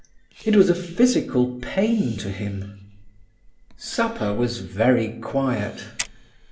It was a physical pain to him. Supper was very quiet.